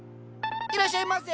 いらっしゃいませ。